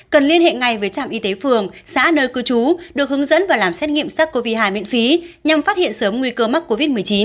cần liên hệ ngay với trạm y tế phường xã nơi cư trú được hướng dẫn và làm xét nghiệm sars cov hai miễn phí nhằm phát hiện sớm nguy cơ mắc covid một mươi chín